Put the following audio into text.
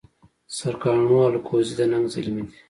سرکاڼو الکوزي د ننګ زلمي دي